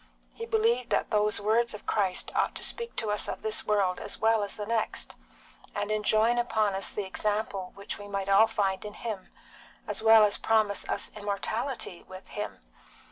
He believed that those words of Christ ought to speak to us of this world as well as the next, and enjoin upon us the example which we might all find in Him, as well as promise us immortality with Him.